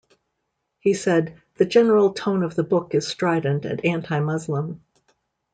He said: The general tone of the book is strident and anti-Muslim.